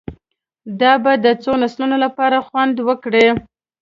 دا به د څو نسلونو لپاره خوندي کړي